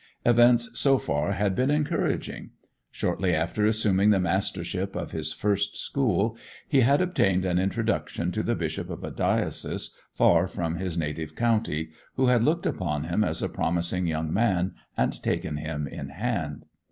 Events so far had been encouraging. Shortly after assuming the mastership of his first school he had obtained an introduction to the Bishop of a diocese far from his native county, who had looked upon him as a promising young man and taken him in hand.